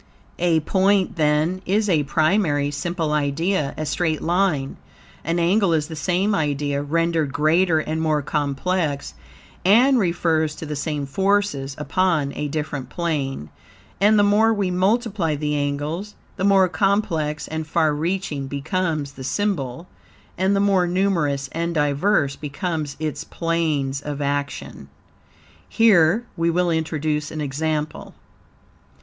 A point, then, is a primary, simple idea, a straight line. An angle is the same idea, rendered greater and more complex, and refers to the same forces upon a different plane, and the more we multiply the angles the more complex and far reaching becomes the symbol and the more numerous and diverse become its planes of action. Here we will introduce an example.